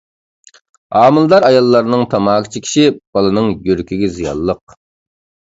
ھامىلىدار ئاياللارنىڭ تاماكا چېكىشى بالىنىڭ يۈرىكىگە زىيانلىق.